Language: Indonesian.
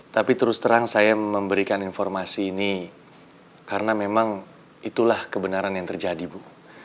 tapi terus terang saya memberikan informasi ini karena memang itulah kebenaran yang terjadi bu